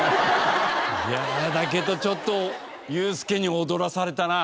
いやあだけどちょっと裕介に踊らされたな。